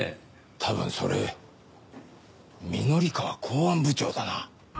多分それ御法川公安部長だな。